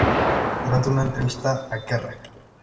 Durante una entrevista a "Kerrang!